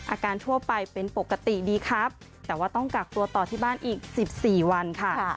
ทั่วไปเป็นปกติดีครับแต่ว่าต้องกักตัวต่อที่บ้านอีก๑๔วันค่ะ